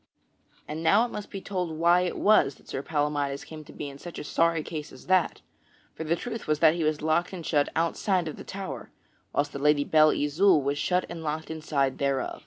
And now it must be told why it was that Sir Palamydes came to be in such a sorry case as that; for the truth was that he was locked and shut outside of the tower, whilst the Lady Belle Isoult was shut and locked inside thereof.